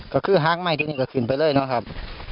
ก็คือหางใหม่ที่นี่ก็ขึ้นไปเลยนะครับ